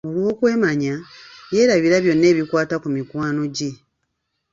Olw'okwemanya, yeerabira byonna ebikwata ku mikwano gye.